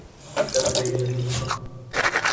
تب ریڈیو ہی تھا۔